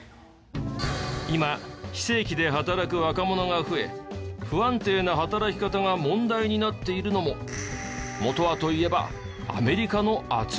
今非正規で働く若者が増え不安定な働き方が問題になっているのも元はといえば。